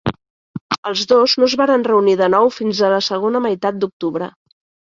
Els dos no es varen reunir de nou fins a la segona meitat d'octubre.